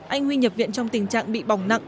anh huy nhập viện trong tình trạng bị bỏng nặng